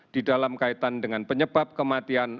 di dalam kaitan dengan penyebab kematian